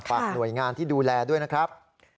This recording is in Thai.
หน่วยงานที่ดูแลด้วยนะครับ